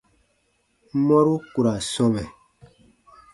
Mɔru ku ra sɔmɛ.